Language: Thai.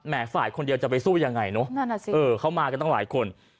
แหม่ฝ่ายคนเดียวจะไปสู้ยังไงเนอะเขามากันตั้งหลายคน